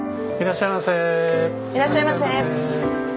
いらっしゃいませ。